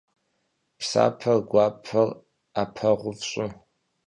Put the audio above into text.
Псапэр, гуапэр Iэпэгъу фщIы.